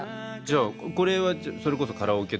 じゃあこれはそれこそカラオケとかで。